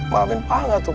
mampin banget tuh